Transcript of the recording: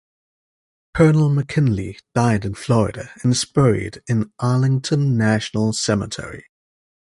Colonel McKinley died in Florida and is buried in Arlington National Cemetery.